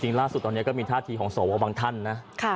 ล่าสุดตอนนี้ก็มีท่าทีของสวบางท่านนะ